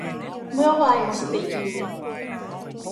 เมื่อไวน์หมดสติอยู่